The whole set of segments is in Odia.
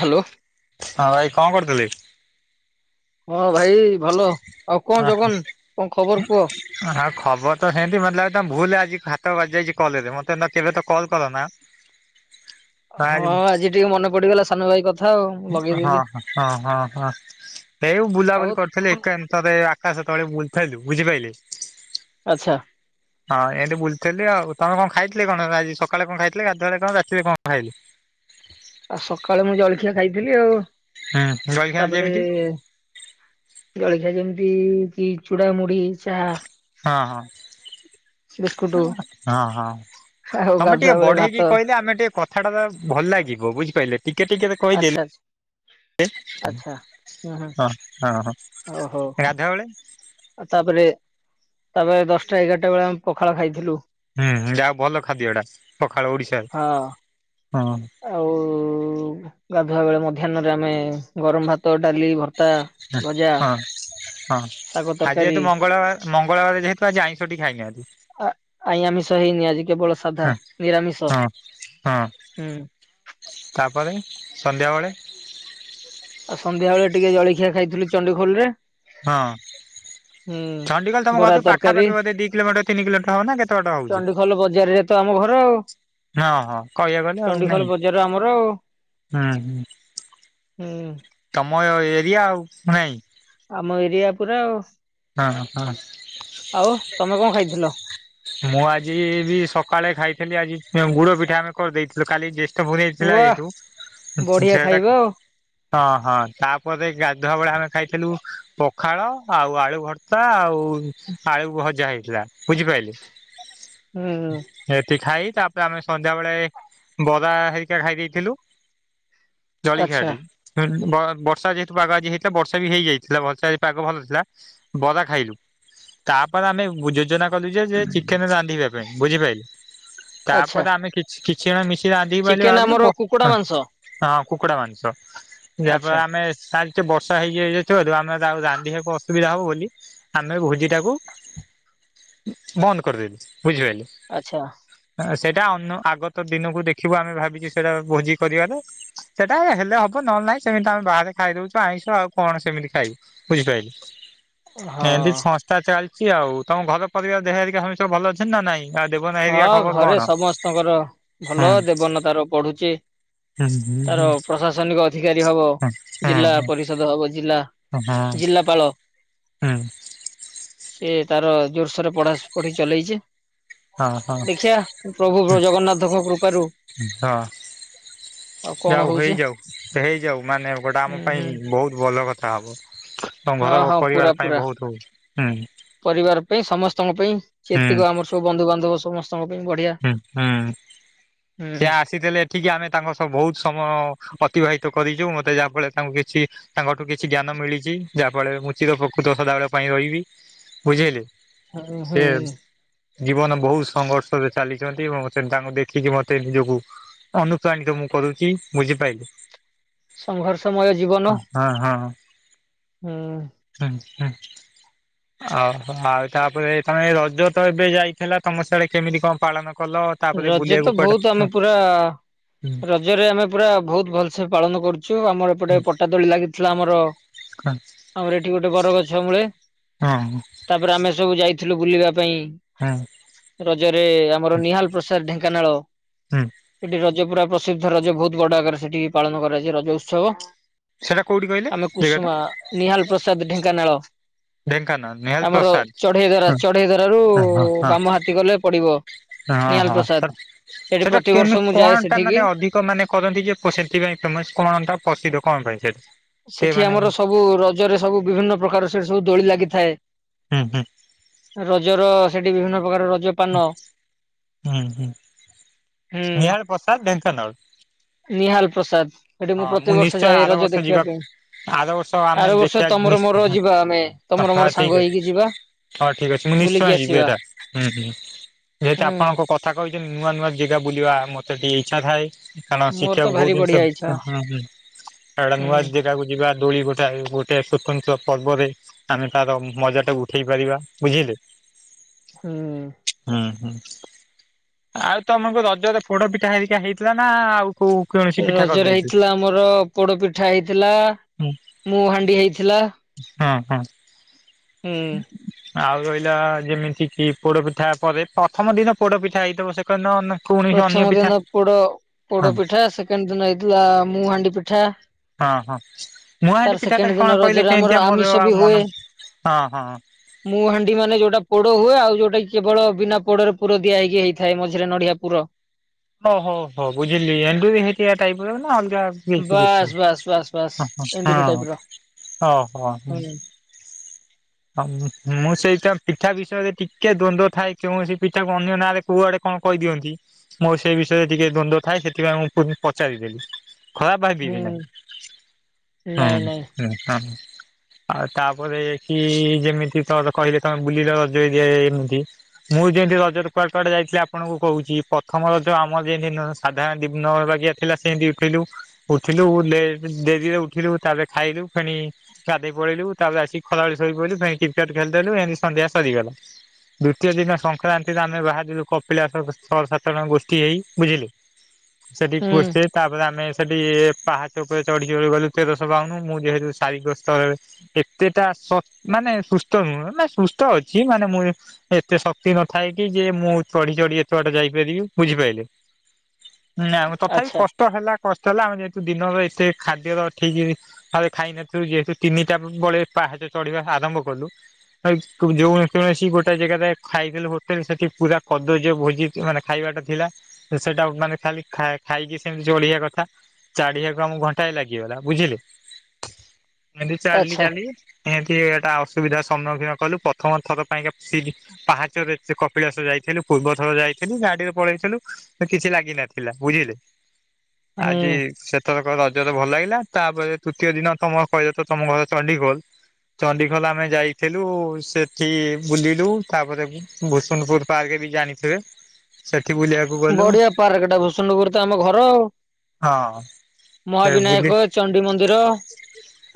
ହ୍ୟାଲୋ। ହଁ ଭାଇ କଣ କରୁଥିଲେ? ହଁ ଭାଇ ଭଲ। ଆଉ କଣ ଜଗନ କଣ ଖବର କୁହ? ହଁ ଆଉ ଖବର ତ ହେମିତି ମତେ ଲାଗୁଛି ତମେ ଭୁଲରେ ଆଜି ହାତ ବାଜି ଯାଇଛି କଲରେ ମତେ ନା କେବେ ତ କଲ କରନା? ହଁ ଆଜି ଟିକେ ମନେ ପଡିଗଲା ସାନ ଭାଇ କଥ୍। ହଁ-ହଁ-ହଁ-ହଁ-ହଁ ଏଇ ଆଉ ବୁଲାବୁଲି କରୁଥିଲି ଭଲ? ଏକାନ୍ ସତେ ଆକାଶ ତଳେ ବୁଲୁଥୁଲୁ ବୁଝିପାଇଲେ। ଆଚ୍ଛା। ହଁ ଏମିତି ବୁଲୁଥିଲି ଆଉ, ତମେ କଣ ଖାଇଥିଲେ କଣ ଆଜି ସକାଳେ କଣ ଖାଇଥିଲେ ଗାଧୁଆ ବେଳେ କଣ ରାତିରେ କଣ ଖାଇଲେ? ଆଉ ସକାଳେ ମୁଁ ଜଳଖିଆ ଖାଇଥିଲି ଆଉ, ହୁଁ ଜଳଖିଆ ତାପରେ ଯେମିତି ଜଳିଖିଆ ଯେମିତି କି ଚୁଡ଼ା ମୁଢ଼ି ଚାହା। ହଁ-ହଁ। ବିସ୍କୁଟ ହଁ-ହଁ, ଆଉ ତମେ ଗାଧୁଆ ଟିକେ ବେଳେ ଭାତ ବଢେଇକି କହିଲେ ଆମେ ଟିକେ କଥ୍ କଥାଟା ତା ଭଲ ଲାଗିବ ବୁଝିପାଇଲେ ଟିକେ-ଟିକେ ଦେ ଆଚ୍ଛା-ଆଚ୍ଛା। ଆଚ୍ଛା, ହୁଁ-ହୁଁ ହଁ ହଁ ହଁ ଓ ହୋ। ଗାଧୁଆବେଳେ ଆଉ ତାପରେ ତାପରେ ଦଶଟା ଏଗାରଟା ବେଳେ ଆମେ ପଖାଳ ଖାଇଥିଲୁ। ହୁଁ ଯାହା ହୋଉ ଭଲ ଖାଦ୍ୟ ଏଟା ପଖାଳ ଓଡିଶାରେ ହଁ ହଁ। ଆଉ ଗାଧୁଆ ବେଳେ ମଧ୍ୟାହ୍ନରେ ଆମେ ଗରମ ଭାତ ଡାଲି ଭର୍ତ୍ତା ଭଜା ହଁ ହଁ ଶାଗ ଆଜି ତରକାରୀ ଯେହେତୁ ମଙ୍ଗଳବାର ମଙ୍ଗଳବାର ଯେହେତୁ ଆଜି ଆଇଁଷ ଟି ଖାଇନେ ଆ ଆଇ ଆମିଷ ହେଇନି ଆଜି କେବଳ ସାଧା ହଁ ନିରାମିଷ ହଁ ହଁ ହୁଁ। ତାପରେ ସନ୍ଧ୍ୟାବେଳେ? ଆଉ ସନ୍ଧ୍ୟା ବେଳେ ଟିକେ ଜଳଖିଆ ଖାଇଥିଲୁ ଚଣ୍ଡଖୋଲ ରେ। ହଁ। ହୁଁ। ଚଣ୍ଡିଖୋଲ ତମ ବରା ଘରଥି ତରକାରୀ ପାଖାପାଖି ବୋଧେ ଦି କିଲୋମିଟର ତିନି କିଲୋମିଟର ହବ ନା କେତେ ବାଟ ହଉଛି? ଚଣ୍ଡିଖୋଲ ବଜାରରେ ତ ଆମ ଘର ଆଉ। ହଁ ହଁ କହିବାକୁ ଗଲେ ଆଉ ଚଣ୍ଡିଖୋଲ ନାଇଁ। ବଜାର ଆମର ଆଉ ହୁଁ ହୁଁ ତମ ଏରିଆ ଆଉ ନାଇଁ? ଆମ ଏରିଆ ପୁରା ଆଉ। ହଁ ହଁ। ଆଉ ତମେ କଣ ଖାଇଥିଲ ମୁଁ ଆଜି ବି ସକାଳେ ଖାଇଥିଲି ଆଜି ଗୁଡ଼ ପିଠା ଆମେ କରିଦେଇଥିଲୁ କାଲି ଯେ ଷ୍ଠ ପୁଣେଇ ଥିଲା ୱା ଯେହେତୁ ବଢିଆ ସେହେଟା ଖାଇବା ଆଉ ହଁ ହଁ ତାପରେ ଗାଧୁଆ ବେଳେ ଆମେ ଖାଇଥିଲୁ ପଖାଳ ଆଉ ଆଳୁ ଭର୍ତ୍ତା ଆଉ ଆଳୁ ଭଜା ହେଇଥିଲା ବୁଝିପାଇଲେ। ହୁଁ ହୁଁ। ଏଠି ଖାଇ ତାପରେ ଆମେ ସନ୍ଧ୍ୟା ବେଳେ ବରା ହେରିକା ଖାଇ ଦେଇଥିଲୁ। ଜଳିଖିଆ ଆଚ୍ଛା [unintelligible] ବ ବର୍ଷା ଯେହେତୁ ପାଗ ଆଜି ହେଇଥିଲା ବର୍ଷା ବି ହେଇଯାଇଥିଲା ବର୍ଷା ପାଗ ଭଲ ଥିଲା ବରା ଖାଇଲୁ ତାପରେ ଆମେ ଯୋଜନା କଲୁ ଯେ ଚିକେନ୍ ରାନ୍ଧିବା ପାଇଁ ବୁଝିପାଇଲେ। ଆଚ୍ଛା ତାପରେ ଆମେ କିଛି କିଛି ଜଣ ମିଶିକି ରାନ୍ଧିବୁ ବୋଲି ଚିକେନ ଭାବିଲୁ ଆମର କୁକୁଡା ମାଂସ ହଁ କୁକୁଡା ମାଂସ ଯାପରେ ଆଚ୍ଛା ଆମେ ବର୍ଷା ହେଇଯାଇଥିବାରୁ ଆମେ ଆକୁ ରାନ୍ଧିବାକୁ ଅସୁବିଧା ହବ ବୋଲି ଆମେ ଭୋଜି ଟାକୁ ବନ୍ଦ କରିଦେଲୁ ବୁଝିପାଇଲେ। ଆଚ୍ଛା। ସେଇଟା ଅନ ଆଗତ ଦିନକୁ ଦେଖିବୁ ଆମେ ଭାବିଛୁ ସେଇଟା ଭୋଜି କରିବାରେ ସେଟା ହେଲେ ହବ ନହେଲେ ନାଇଁ ସେମିତି ଆମେ ବାହାରେ ଖାଇଦଉଛୁ ଆଇଁଷ ଆଉ କଣ ସେମିତି ଖାଇବୁ। ବୁଝିପାଇଲେ। ହଁ ଏମିତି ସଂସ୍ଥା ଚାଲିଛି ଆଉ ତମ ଘର ପରିବାର ଦେହ ଘରିଆ ସବୁ ଭଲ ଅଛନ୍ତି ନା ନାଇଁ ଆଉ ଦେବନା ହଁ ହେରିକା ଖବର ଘରେ କଣ? ସମସ୍ତଙ୍କର ହୁଁ ଭଲ ଦେବନ ତାର ପଢୁଛି। ହୁଁ ହୁଁ ତାର ହୁଁ ପ୍ରଶାସନିକ ଅଧିକାରୀ ହବ ହୁଁ ହୁଁ ଜିଲ୍ଲା ହୁଁ ପରିଷଦ ହବ ଜିଲ୍ଲା ଜିଲ୍ଲାପାଳ। ହୁଁ। ସିଏ ତା ର ଜୋରସୋରରେ ପଢ଼ା ପଢ଼ି ଚଲେଇଛି। ହଁ ହଁ ଦେଖିବା ପ୍ରଭୁ ଜଗନ୍ନାଥଙ୍କ କୃପାରୁ ହୁଁ ହଁ। ଆଉ କଣ ଯାଉ ହଉଛି ହେଇଯାଉ ହେଇଯାଉ ମାନେ ଗୋଟେ ଆମ ହୁଁ ପାଇଁ ହୁଁ ବହୁତ୍ ଭଲ କଥା ହବ। ତମ ହଁ ଘର ହଁ ପୁରା ପରିବାର ପାଇଁ ପୁରା ବହୁତ୍ ହୁଁ। ପରିବାର ପାଇଁ ସମସ୍ତଙ୍କ ପାଇଁ ହୁଁ ଯେତିକ ଆମର ସବୁ ବନ୍ଧୁ ବାନ୍ଧବ ସମସ୍ତଙ୍କ ପାଇଁ ବଢିଆ। ହୁଁ ହୁଁ ହୁଁ ସେ ଆସିଥିଲେ ଏଠିକି ଆମେ ତାଙ୍କ ସହ ବହୁତ୍ ସମୟ ଅତିବାହିତ କରିଛୁ ମତେ ଯାହାଫଳରେ ତାଙ୍କୁ କିଛି ତାଙ୍କଠୁ କିଛି ଜ୍ଞାନ ମିଳିଛି ଯାହା ଫଳରେ ମୁଁ ଚିରଉପ୍କୃତ ସଦାବେେଳ ପାଇଁ ରହିବି ବୁଝେଇଲେ? ହୁଁ ସେ ହୁଁ ଜୀବନ ବହୁତ ସଂଘର୍ଷ। ଚାଲିଛନ୍ତି ଏବଂ ସେ ତାଙ୍କୁ ଦେଖିକି ମତେ ନିଜକୁ ଅନୁପ୍ରାଣିତ ମୁଁ କରୁଛି ବୁଝିପାଇଲି। ସଂଘର୍ଷମୟ ଜୀବନ। ହଁ ହଁ। ହୁଁ। [unintelligible] ଓହୋ ଆଉ ତାପରେ ତମେ ରଜ ତ ଏବେ ଯାଇଥିଲା ତମ ସାଡେ ସେମିତି କଣ ପାଳନ କଲ? ତାପରେ ରଜ ତ ବୁଲିବାକୁ କୁଆଡେ ବହୁତ ଆମେ ପୁରା ହଁ ର ଜରେ ଆମେ ପୁରା ବହୁତ ଭଲସେ ପାଳନ କରୁଛୁ ଆମର ଗୋଟେ ପଟାଦୋଳି ଲାଗିଥିଲା ଆମର ଆମର ଏଠି ଗୋଟେ ବର ଗଛ ମୂଳେ। ହଁ ତାପରେ ଆମେ ସବୁ ଯାଇଥିଲୁ ବୁଲିବା ପାଇଁ। ହୁଁ। ରଜରେ ଆମର ନିହାଲ ପ୍ରସାଦ ଢେଙ୍କାନାଳ ହୁଁ ସେଠି ର ଜ ପୁରା ପ୍ରସିଦ୍ଧ ରଜ ବହୁତ ବଡ ଆଗରେ ସେଠି ପାଳନ କରାଯାଏ ରଜ ଉତ୍ସବ। ସେଟା କଉଠି କହିଲେ? ଆମେ ଜାଗାଟା କୁସୁମା ନିହାଲ ପ୍ରସାଦ ଢେଙ୍କାନାଳ। ଢେଙ୍କାନାଳ ନିହାଲ ଆମର ପ୍ରସାଦ। ଚଢେଇ ଦ୍ୟାରା ହଁ ଚଢେଇ ଦ୍ୟାରାରୁ ହଁ ହଁ ବାମ ହାତୀ ଗଲେ ପଡିବ। ହଁ ନିହାଲ ହଁ ପ୍ରସାଦ ସତେକି? ସେଠି ସେଟା ପ୍ରତିବର୍ଷ କେମିତି ମୁଁ ଯାଏ କଣ ଟା ସେଠିକି ମାନେ ଅଧିକ ମାନେ କରନ୍ତି ଯେ ସେଥିପାଇଁ ଫେମସ କଣ ପ୍ରସିଦ୍ଧ? କଣ ପାଇଁ ସେଇ ସେଠି ଆମର ସବୁ ରଜରେ ସବୁ ବିଭିନ୍ନ ପ୍ରକାର ସେଠି ସବୁ ଦୋଳି ଲାଗିଥାଏ। ହୁଁ ହୁଁ। ରଜର ସେଠି ବିଭିନ୍ନ ପ୍ରକାର ରଜ ପାନ ହୁଁ ହୁଁ ହୁଁ ସ୍ନେହାଳ ପ୍ରସାଦ ଢେଙ୍କାନଳ। ନିହାଲ ପ୍ରସାଦ ସେଠି ମୁଁ ପ୍ରତିବର୍ଷ ନିଶ୍ଚୟ ଯାଏ ଆର ରଜ ବର୍ଷ ଦେଖିବା ଯିବାକୁ ପାଇଁ। ଆର ବର୍ଷ ଆମେ ଆର ବର୍ଷ ଦେଖିବା ତମର ନିଶ୍ଚ ମୋର ଯିବା ଆମେ ତମର ମୋର ସାଙ୍ଗ ଅଛି। ହେଇକି ଯିବା। ହଁ ଠିକ ଅଛି ମୁଁ ବୁଲିକି ନିଶ୍ଚୟ ଯିବି ଆସିବା। ଏଇଟା ହୁଁ ହୁଁ ଯେହେତୁ ଆପଣଙ୍କ କ ଥା କହିଛନ୍ତି ନୂଆ ନୂଆ ଜେଗା ବୁଲିବା ମୋତେ ଟିକେ ଇଚ୍ଛା ଥାଏ କାରଣ ମୋର ତ ଶିଖିବାକୁ ଭାରି ବହୁତ ଜିନିଷ ବଢିଆ ଇଚ୍ଛା ହୁଁ ହୁଁ ଟା ନୂଆ ଜାଗାକୁ ଯିବା ଦୋଳି ଗୋଟେ ଗୋଟେ ସ୍ୱତନ୍ତ୍ର ପର୍ବରେ ଆମେ ତାର ମଜା ଟା କୁ ଉଠେଇ ପାରିବା ବୁଝିଲେ। ହୁଁ। ହୁଁ ହୁଁ ଆଉ ତମକୁ ରଜରେ ପୋଡ ପିଠା ହେରିକା ହେଇଥିଲା ନା ଆଉ କଉ କୌଣସି ପିଠା କରିଦେଇ ହେଥିଲା ଆମର ପୋଡ ପିଠା ହେଇଥିଲା ହୁଁ ମୁ ହାଣ୍ଡି ହେଇଥିଲା। ହଁ ହଁ। ଆଉ ରହିଲା ଯେମିତି କି ପୋଡପିଠା ପରେ ପ୍ରଥମ ଦିନ ପୋଡପିଠା ହେଇଥିବ ସେ କିନ ପ୍ରଥମ ଦିନ ପୋଡ ପୋଡ ହଁ ପିଠା ସେକେଣ୍ଡ ଦିନ ହେଇଥିଲା ମୁହାଣ୍ଡି ପିଠା। ହଁ ହଁ ମୁୂଆ ତାର ହାଣ୍ଡି ପିଠା ଟା ସେକେଣ୍ଡ ଦିନ କଣ କହିଲେ ରଜରେ ଆମର କେମତିଆ ମୋର ଆମିଷ ବି ଆଉ ହୁଏ। ମନ ହଁ ହଁ। ମୁଁ ହାଣ୍ଡି ମାନେ ଯୋଉଟା ପୋଡ ହୁଏ ଆଉ ଯୋଉଟା କି କେବଳ ବିନା ପୋଡରେ ପୁର ଦିଆ ହେଇକି ହେଇଥାଏ ମଝିରେ ନଡିଆ ପୁର। ଓ ହୋ ହୋ ବୁଝିଲି ଏଣ୍ଡୁରି ହେଇଥିବା ଟାଇପ ର ନା ଅଲଗା କିଛି ପିଠା? ବାସ୍ ବାସ୍ ବାସ୍ ବାସ୍ ହଁ ଏଣ୍ଡରି ହଁ ଟାଇପ ର ହଁ ଓହୋ। ହୁଁ। ମୁଁ ସେଇଟା ପିଠା ବିଷୟରେ ଟିକେ ଦୋନ୍ଦ ଥାଏ କୌଣସି ପିଠାକୁ ଅନ୍ୟ ନାଁରେ କୁଆଡେ କଣ କହିଦିଅନ୍ତି ମୋର ସେ ବିଷୟରେ ଟିକେ ଦ୍ୱନ୍ଦ ଥାଏ, ସେଥିପାଇଁ ମୁଁ ପଚାରିଦେଲି। ଖରାପ ଭାବିବେନି, ହୁଁ ହଁ ନାଇଁ ନାଇଁ। ହଁ - ହଁ ଆଉ ତାପରେ କି ଯେମିତି ତର କହିଲେ ତ କଣ ବୁଲିିଲ [unintelligible] ଏମିତି। ମୁଁ ଯେମିତି ରଜ ରେ କୁଆଡେ କୁଆଡେ ଯାଇଥିଲି ଆପଣଙ୍କୁ କହୁଛି ପ୍ରଥମ ରଜ ଆମର ଯେତି ସାଧାରଣ ଡିନର ବାଗିଆ। ଥିଲା ସେମିତି ଉଠେଇଲୁ। ଉଠିଲୁ ଡେ ଡେରିରେ ଉଠିଲୁ ତାପରେ ଖାଇଲୁ ଫେଣି ଗାଧୋଇ ପଳେଇଲୁ ତାପରେ ଆସିକି ଖରାବେଳେ ଶୋଇପଇଲୁ ପୁଣି କ୍ରିକେଟ ଖେଳିଦେଲୁ ଏମିତି ସନ୍ଧ୍ୟା ସରିଗଲା। ଦୂତୀୟ ଦିନ ସଂକ୍ରାନ୍ତିରେ ଆମେ ବାହାରିଲୁ କପିଳାସ ଛଅ ସାତ ଜଣ ଗୋଷ୍ଠୀ ହେଇ ବୁଝିଲେ। [unintelligible] ସେଠି ହୁଁ କୁଛେ ତାପରେ ଆମେ ସେଠି ପାହା ଉପରେ ଚଢି ଚଢି ଗଲୁ ତେରଶ ବାଉନୁ, ମୁଁ ଯେହେତୁ ଶାରୀିକ ସ୍ତରରେ ଏତେ ତା ସ ମାନେ ସୁସ୍ଥ ନୁହେଁ ମାନେ ସୁସ୍ଥ ଅଛି ମାନେ ମୁଁ ଏତେ ଶକ୍ତି ନଥାଏ କି ଯେ ମୁଁ ଚଢି ଚଢି ଏତେ ବାଟେ ଯାଇପାରିବି ବୁଝିପାରିଲେ। [inaudible] ନା ତଥାପି ଆଚ୍ଛା କଷ୍ଟ ହେଲା। କଷ୍ଟ ହେଲା ଆମେ ଯେହେତୁ ଦିନର ଏତେ ଖାଦ୍ୟ ର ଠିକି ଆରେ ଖାଇନଥିଲୁ ଯେହେତୁ ତିନିଟା ବଳେ ପାହାଚ ଚଢିବା ଆରମ୍ଭ କଲୁ। ଯୋଉ କୌଣସି ଗୋଟେ ଜାଗାରେ ଖାଇଦେଲୁ ହୋଟେଲ ସେଠି ପୁରା କଦର୍ଜ ଭୋଜି। ମାନେ ଖାଇବାଟା ଥିଲା ସେଟା ମାନେ ଖାଲି ଖାଇକି ସେମିତି ଚଳେଇବା କଥା। ଚାଢିବା କୁ ଆମକୁ ଘଣ୍ଟାଏ ଲାଗିଗଲା ବୁଝିଲୁ। [inaudible] ଏମତି ଚାଲି ଆଚ୍ଛା ଚାଲି ଏମତି ଏଟା ଅସୁବିଧାର ସମ୍ମୁଖୀନ କଲୁ ପ୍ରଥମ ଥର ପାଇଁକା ସିଡି ପାହାଚରେ ଏତେ କପିଳାସ ଯାଇଥିଲୁ ପୂର୍ବ ଥର ଯାଇଥିଲୁ ଗାଡିରେ ପଳେଇଥିଲୁ। କିଛି ଲାଗିନଥିଲା ବୁଝିଲେ, ହୁଁ ଆଜି ସେ ଏଥରକ ରଜ ରେ ଭଲ ଲାଗିଲା ତାପରେ ତୃତୀୟ ଦିନ ତମ କହିଲ ତମ ଘର ଚଣ୍ଡୀଖୋଲ। [inaudible] ଚଣ୍ଡିଖୋଲ ଆମେ ଯାଇଥିଲୁ ସେଠି ବୁଲିଲୁ ତାପରେ ଭୂସୁଣପୁର ପାର୍କ ବି ଜାଣି ଥେରେ ସେଠି ବୁଲିବାକୁ ଗଲୁ ବଢିଆ ପାର୍କ ଟା ଭୂସୁଣପୁର ତ ଆମ ଘର ଆଉ। ହଁ ସେ ବୁଲି ମହାବିନାୟକ, ଚଣ୍ଡି ମନ୍ଦିର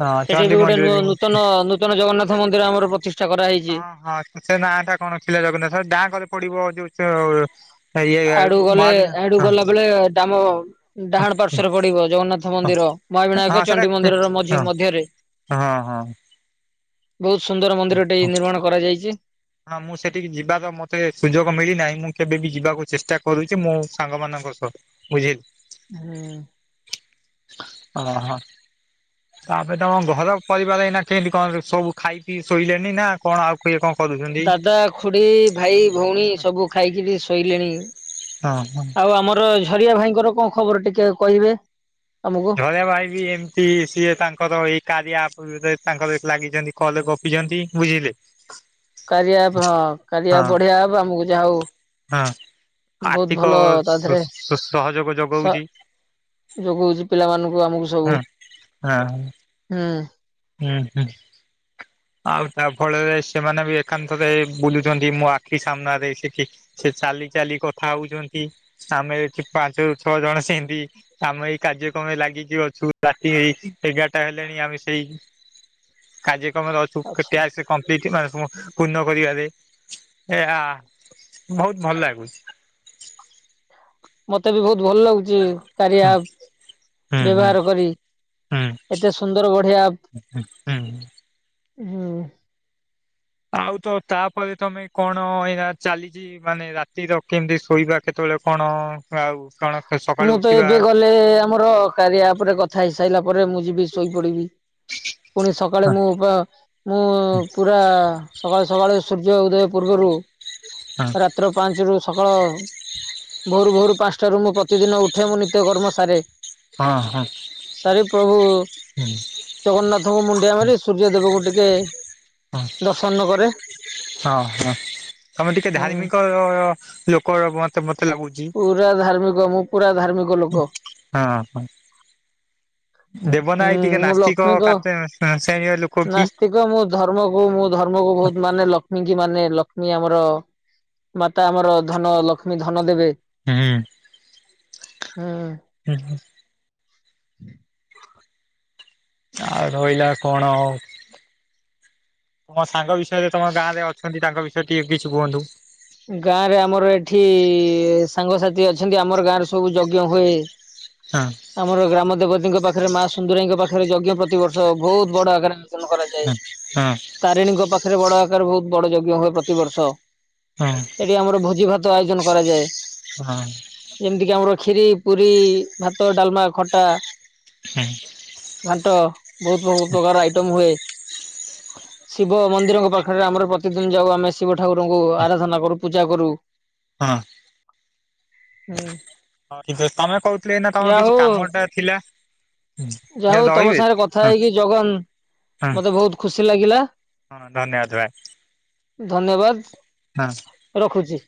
ହଁ ସେଠି ଚଣ୍ଡି ବି ଗୋଟେ ମନ୍ଦିର ନୂଆ ହଁ ନୂ ତନ ନୂତନ ଜଗନ୍ନାଥ ମନ୍ଦିର ଆମର ପ୍ରତିଷ୍ଟା କରା ହେଇଛି। ହଁ ହଁ ସେ ନାଁ ଟା କଣ ଥିଲା ଜଗନ୍ନାଥ ଦାଁ କରେ ପଡିବ ଯୋଉ ଇଏ ଆଡୁ ଗଲେ ମହାବିନା ଆଡୁ ହଁ ଗଲା ବେଳେ ଡାମ ଡାହାଣ ପାର୍ଶ୍ୱ ରେ ପଡିବ ଜଗନ୍ନାଥ ମନ୍ଦିର ହଁ ମହାବିନାୟକ ସେଟା ଚଣ୍ଡୀ ମନ୍ଦିର ର ମଝି ମଧ୍ୟରେ। ହଁ ହଁ। ବହୁତ ସୁନ୍ଦର ମନ୍ଦିର ଟେ ହଁ। ନିର୍ମାଣ କରାଯାଇଛି। ହଁ ମୁଁ ସେଠିକି ଯିବାର ମତେ ସୁଯୋଗ ମିଳିନାହିଁ ମୁଁ କେବେ ବିି ଯିବାକୁ ଚେଷ୍ଟା କରୁଛି ମୁଁ ସାଙ୍ଗ ମାନଙ୍କ ସହ ବୁଝିଲି। ହୁଁ। ଓହୋ। ତାପରେ ତମ ଘର ପରିବାର ଏଇନା କେମିତି କଣ ସବୁ ଖାଇ କି ଶୋଇଲେଣିି ନା କଣ ଆଉ କେ କଣ କରୁଛନ୍ତି? ଦାଦା ଖୁଡି, ଭାଇ, ଭଉଣୀ ସବୁ ଖାଇକି ଶୋଇଲେଣି। ହଁ ହଁ। ଆଉ ଆମର ଝରିଆ ଭାଇଙ୍କର କଣ ଖବର ଟିକେ କହିବେ ଆମକୁ। ଝରିଆ ଭାଇ ବି ଏମିତି ସିଏ ତାଙ୍କର ଏଇ କାରିଆ ଆପ୍ ରେ ତାଙ୍କର ଲାଗିଛନ୍ତି। କଲ୍ ରେ ଗପିଛନ୍ତି ବୁଝିଲେ। କାରିଆ ହଁ କାରିଆ ହଁ ବଢିଆ ଆପ୍ ଆମକୁ ଯାହା ହଉ। ହଁ ବହୁତ ଆର୍ଥିକ ଭଲ ତା ସ ଦେହରେ ସହଯୋଗ ସ ଯୋଗଉଛି। ଯୋଗଉଛି ପିଲାମାନଙ୍କୁ ଆମକୁ। ସବୁ ହଁ ହଁ। ହୁଁ। ହୁଁ ହୁଁ। ଆଉ ତା ଫଳରେ ସେମାନେ ବି ଏକାନ୍ତରେ ବୁଲୁଛନ୍ତି ମୋ ଆଖି ସାମ୍ନାରେ ସେଠି। ସେ ଚାଲି ଚାଲି କଥା ହଉଛନ୍ତି ଆମେ ଏଠି ପାଞ୍ଚରୁ ଛଅ ଜଣ ସେମିତି। ଆମେ ଏଇ କାର୍ଯ୍ୟକ୍ରମ ଲାଗିକି ଅଛୁ ରାତି ଏଇ ଏଗାରଟା ହେଲେଣି ଆମେ ସେଇ କାର୍ଯ୍ୟକ୍ରମ ରେ ଅଛୁ କେ ଆଚ୍ଛା। କେ ଆରସି। କମ୍ପ୍ଲିଟି ମାନେ ପୂର୍ଣ୍ଣ କରିବାରେ ଏହା ବହୁତ ଭଲ ଲାଗୁଛି। ମତେ ବି ବହୁତ ଭଲ ଲାଗୁଛି ହୁଁ କାରିଆ ହୁଁ ହୁଁ ବ୍ୟବହାର କରି। ହୁଁ ଏତେ ସୁନ୍ଦର ବଢିଆ ଆପ୍ ହୁଁ। ହୁଁ। ଆଉ ତ ତାପରେ ତମେ କଣ ଏଇା ଚାଲିଛି। ମାନେ ରାତି ତ କେମିତି ଶୋଇବା କେତେବେଳେ କଣ ଆଉ କଣ? ସକାଳୁ ମୁଁ ତ ଉଠିବା ଏବେ ଗଲେ ଆମର କାରିଆ ଆପ୍ ରେ କଥା ହେଇସାରିଲା ପରେ ମୁଁ ଯିବି ଶୋଇପଡିବି। ପୁଣି ସକାଳେ ହଁ ମୁଁ ମ ମୁଁ ପୁରା ସକାଳୁ ସକାଳୁ ସୂର୍ଯ୍ୟ ଉଦୟ ପୂର୍ବରୁ। ହଁ ରାତ୍ର ପାଞ୍ଚ ରୁ ସକାଳ ଭୋରୁ ଭୋରୁ ପାଞ୍ଚଟାରୁ ମୁଁ ପ୍ର ପ୍ରତିଦିନ ଉଠେ ମୁଁ ନିତ୍ୟ କର୍ମ ସାରେ। ହଁ ହଁ। ସାରି ପ୍ରଭୁ ଜଗନ୍ନାଥଙ୍କୁ ମୁଣ୍ଡିଆ ମାରି ସୂର୍ଯ୍ୟ ଦେବଙ୍କୁ ଟିକେ ହଁ ଦର୍ଶନ କରେ ହଁ ହଁ ତମେ ଟିକେ ହୁଁ। ଧାର୍ମିକ ଲୋକ ମତେ ମତେ ଲାଗୁଛି। ପୁରା ଧାର୍ମିକ ମୁଁ ପୁରା ଧାର୍ମିକ। ଲୋକ ହଁ ହଁ। ଦେବ ହୁଁ ନାଇ ଟିକେ ମୁଁ ନାସ୍ତିକ ଲକ୍ଷ୍ମୀଙ୍କ କାଟ ଶ୍ରେଣୀ ଲୋକ କି? ନାସ୍ତିକ ମୁଁ ଧର୍ମକୁୁ ମୁଁ ଧର୍ମକୁୁ ବହୁତ ମାନେ ଲକ୍ଷ୍ମୀ କି ମାନେ ଲକ୍ଷ୍ମୀ ଆମର ମାତା ଆମର ଧନ ଲକ୍ଷ୍ମୀ ଧନ ଦେବେ। ହୁଁ। ହୁଁ। ହେଁ। ଆଉ ରହିଲା କଣ ଆଉ ତମ ସାଙ୍ଗ ବି [unintelligible] ତମ ଗାଁରେ ଅଛନ୍ତି ତାଙ୍କ ବିଷୟରେ ଟିକେ କିଛି କୁହନ୍ତୁ? ଗାଁ ରେ ଆମର ଏଠି ସାଙ୍ଗସାଥି ଅଛନ୍ତି ଆମର ଗାଁରେ ସବୁ ଯଜ୍ଞ ହୁଏ। ହଁ। ଆମର ଗ୍ରାମ ଦେବତୀଙ୍କ ପାଖରେ ମା ସୁନ୍ଦୁରାଇଙ୍କ ପାଖରେ ଯଜ୍ଞ ପ୍ରତିବର୍ଷ ବହୁତ ବଡ ଆକାରେ ଆୟୋଜନ କରାଯାଏ। ହଁ ହଁ ତାରିଣୀଙ୍କ ପାଖରେ ବଡ ଆକାର ବହୁତ ବଡ ଯଜ୍ଞ ହୁଏ ପ୍ରତିବର୍ଷ। ହଁ। ଏଠି ଆମର ଭୋଜି ଭାତ ଆୟୋଜନ କରାଯାଏ। ହଁ। ଏମିତି କିି ଆମର ଖିରି ପୁରୀ ଭାତ ଡାଲମା ଖଟା। ହୁଁ। ଘାଣ୍ଟ ବହୁତ ବହୁତ ପ୍ରକାର ଆଇଟମ ହୁଏ। ଶିବ ମନ୍ଦିରଙ୍କ ପାଖରେ ଆମର ପ୍ରତିଦିନ ଯାଉ ଆମେ ଶିବ ଠାକୁରଙ୍କୁ ଆରା ଧନା କରୁ ପୂଜା କରୁ। ହଁ। ହୁଁ। ହଁ ଠିକ ଅ ତମେ କହୁଥିଲ ଏଇନା ତମ କିଛି କାମ ଟା ଥିଲା। ଯା ହଉ ତମ ରହିବେ ସାଙ୍ଗରେ କଥା ହଁ ହେଇକି ଜଗନ୍ ହଁ ମତେ ବହୁତ ଖୁସି ଲାଗିଲା ହଁ ଧନ୍ୟବାଦ ଭାଇ ଧନ୍ୟବାଦ୍। [unintelligible] ରଖୁଚି।